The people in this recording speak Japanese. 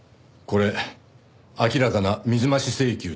これ明らかな水増し請求ですよね。